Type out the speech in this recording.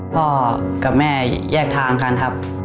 พ่อกับแม่แยกทางกันครับ